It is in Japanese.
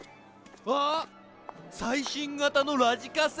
あ最新型のラジカセ。